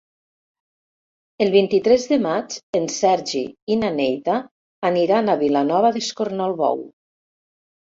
El vint-i-tres de maig en Sergi i na Neida aniran a Vilanova d'Escornalbou.